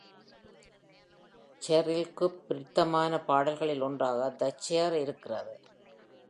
Cherril-குப் பிடித்தமான பாடல்களில் ஒன்றாக The Chair இருக்கிறது.